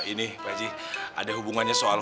ini pasti ada hubungannya soal